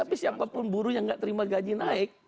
tapi siapapun buruh yang nggak terima gaji naik